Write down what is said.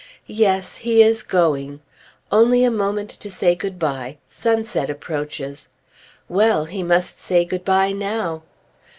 Yes! he is going! Only a moment to say good bye ... sunset approaches. Well! he must say good bye now!